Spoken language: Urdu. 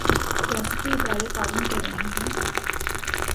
ریاستی ادارے تعاون کر رہے ہیں۔